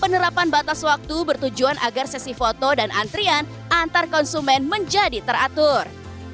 penerapan batas waktu bertujuan agar sesi foto dan antrian antar konsumen menjadi teratur